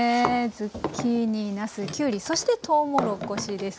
ズッキーニなすきゅうりそしてとうもろこしです。